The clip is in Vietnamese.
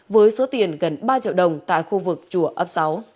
với số tiền gần ba triệu đồng tại khu vực chùa ấp sáu